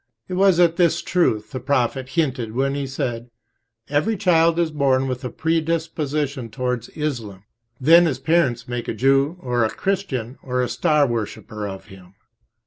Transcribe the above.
It was at this truth the Prophet hinted when he said, "Every child is born with a predisposition towards Islam; then his parents make a Jew, or a, Christian, or a star worshipper of him."